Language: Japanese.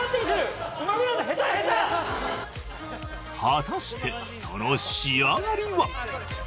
果たしてその仕上がりは？